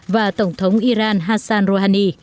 và tổng thống iran hassan rouhani